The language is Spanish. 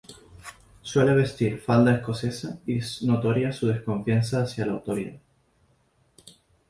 Suele vestir falda escocesa y es notoria su desconfianza hacia la autoridad.